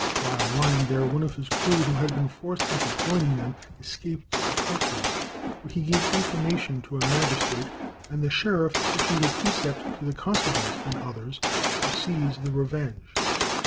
While lying there one of his crew, who had been forced into joining them, escaped to Kirkwall, where he gave information to a magistrate, and the sheriff issued a precept to the constables and others to seize The Revenge.